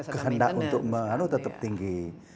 kehendak untuk menahan itu tetap tinggi